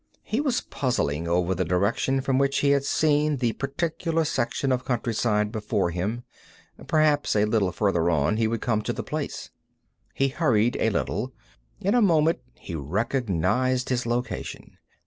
He was puzzling over the direction from which he had seen the particular section of countryside before him. Perhaps a little farther on he would come to the place. He hurried a little. In a moment he recognized his location.